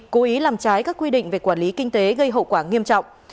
cố ý làm trái các quy định về quản lý kinh tế gây hậu quả nghiêm trọng